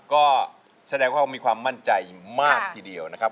ก็แสดงว่ามีความมั่นใจมากทีเดียวนะครับ